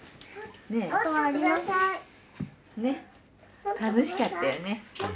ねっ楽しかったよね。